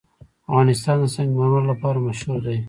افغانستان د سنگ مرمر لپاره مشهور دی.